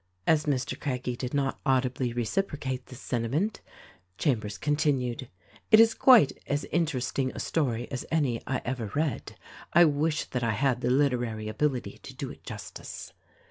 As Mr. Craggie did not audibly reciprocate this senti ment, Chambers continued, "It is quite as interesting a story as any I ever read. I wish that I had the literary ability to do it justice."